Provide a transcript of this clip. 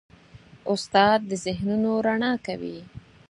استاد د ذهنونو رڼا کوي.